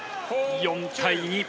４対２。